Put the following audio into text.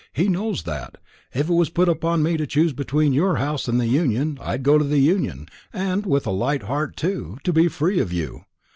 He knows that, if it was put upon me to choose between your house and the union, I'd go to the union and with a light heart too, to be free of you.